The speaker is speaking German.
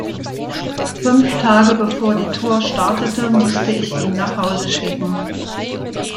Fünf Tage bevor die Tour startete musste ich ihn nach Hause schicken.